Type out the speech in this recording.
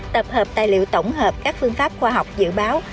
tập hợp tài liệu tổng hợp các phương pháp khoa học dự báo